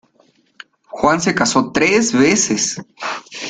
Juan se casó tres veces.